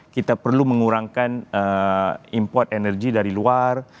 kita perlu mengurangi import energi dari luar